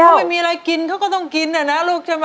เรียกว่าคนไม่มีอะไรกินเขาก็ต้องกินเนี่ยนะลูกใช่ไหม